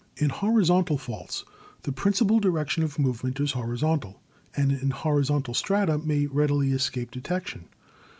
In Horizontal Faults the principal direction of move ment is horizontal, and in horizontal strata may readily escape detection.